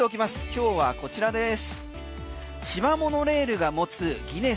今日はこちらです。